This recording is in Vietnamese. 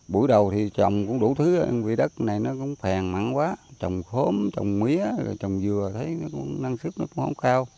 buổi đầu thì trồng cũng đủ thứ vì đất này nó cũng phèn mặn quá trồng khốm trồng mía trồng dừa năng suất nó cũng không cao